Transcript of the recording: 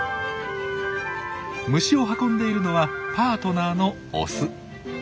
虫を運んでいるのはパートナーのオス。